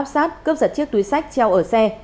xác cướp giật chiếc túi sách treo ở xe